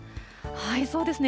そうですね。